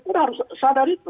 kita harus sadar itu